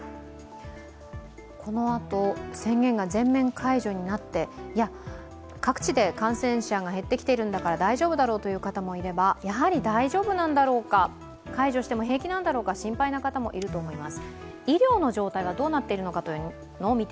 このあと宣言が全面解除になって、いや、各地で感染者がへっきているんだから大丈夫だろうという人もいればやはり大丈夫なんだろうか解除してもいいのか、心配な方もいると思います。